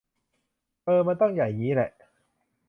เออ มันต้องใหญ่งี้แหละ